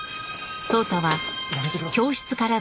やめてください。